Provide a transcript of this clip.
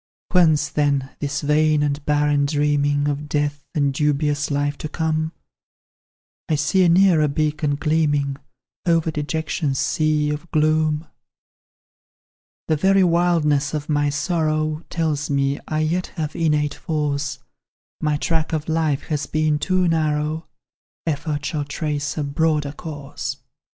"Whence, then, this vain and barren dreaming Of death, and dubious life to come? I see a nearer beacon gleaming Over dejection's sea of gloom. "The very wildness of my sorrow Tells me I yet have innate force; My track of life has been too narrow, Effort shall trace a broader course.